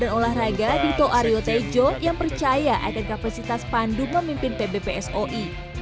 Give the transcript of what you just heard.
dan olahraga dito aryo tejo yang percaya akan kapasitas pandu memimpin pbpsoi